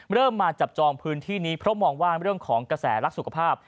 เริ่มมาจับจองพื้นที่นี้เพราะมองว่าเรื่องของกระแสรักสุขภาพ